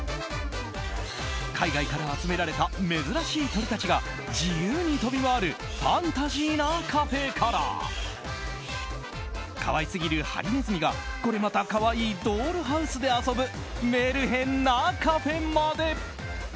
海外から集められた珍しい鳥たちが自由に飛び回るファンタジーなカフェから可愛すぎるハリネズミがこれまた可愛いドールハウスで遊ぶメルヘンなカフェまで。